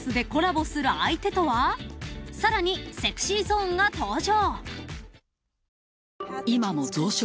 ［さらにＳｅｘｙＺｏｎｅが登場］